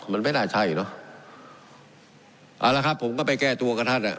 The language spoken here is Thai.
มันไม่น่าใช่เนอะเอาละครับผมก็ไปแก้ตัวกับท่านอ่ะ